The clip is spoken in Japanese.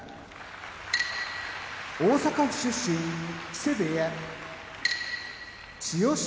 大阪府出身木瀬部屋千代翔